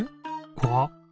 こわっ！